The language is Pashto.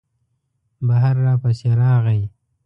بهر را پسې راغی.